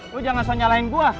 lo jangan soal nyalain gue